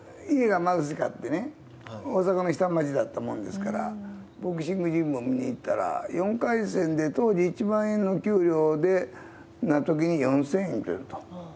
家が貧しかって、大阪の下町だったもんですから、ボクシングジムに行ったら、４回戦で当時１万円の給料のときに４０００円くれると。